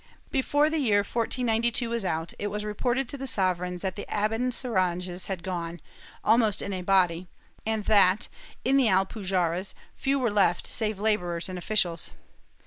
Before the year 1492 was out, it was reported to the sovereigns that the Abencerrages had gone, almost in a body, and that, in the Alpu jarras, few were left save laborers and officials.